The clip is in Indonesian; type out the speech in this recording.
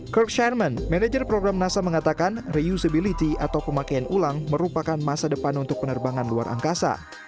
kerk chairman manajer program nasa mengatakan reusability atau pemakaian ulang merupakan masa depan untuk penerbangan luar angkasa